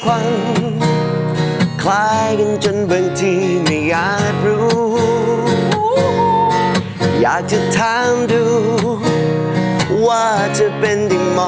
อุ้ยชอบเพลงนี้